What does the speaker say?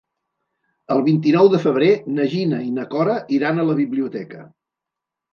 El vint-i-nou de febrer na Gina i na Cora iran a la biblioteca.